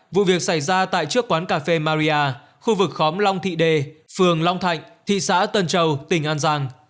vụ việc xảy ra tại trước quán cà phê maria khu vực khóm long thị đề phường long thạnh thị xã tân châu tỉnh an giang